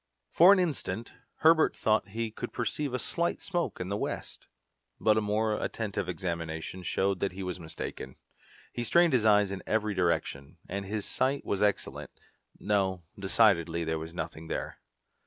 For an instant Herbert thought he could perceive a slight smoke in the west, but a more attentive examination showed that he was mistaken. He strained his eyes in every direction, and his sight was excellent. No, decidedly there was nothing there.